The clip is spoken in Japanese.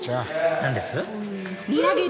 何です？